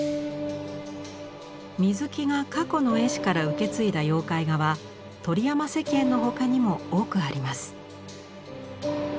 水木が過去の絵師から受け継いだ妖怪画は鳥山石燕の他にも多くあります。